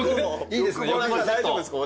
大丈夫ですか？